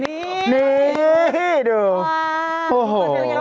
แทบกันไม่ใช่นี่แล้วค่ะ